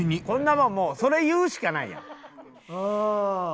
「こんなもんもうそれ言うしかないやん」